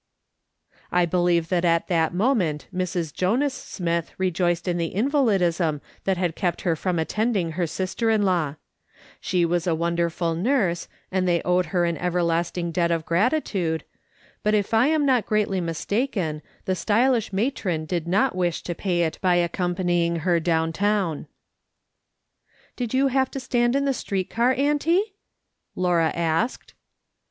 I believe that at that moment Mrs. Jonas Smith rejoiced in the invalidism that had kept her from attending her sister in law. She was a wonderful t84 MRS. SOLOMON SMITH LOOKING ON. nurse, and tliey owed her an everlasting debt of gratitude but if I am not greatly mistaken, the stylish matron did not wish to pay it by accompany ing her down town. " Did you have to stand in the street car, auntie ?" Laura asked.